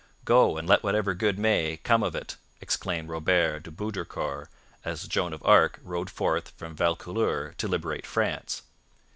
'Go, and let whatever good may, come of it!' exclaimed Robert de Baudricourt as Joan of Arc rode forth from Vaucouleurs to liberate France.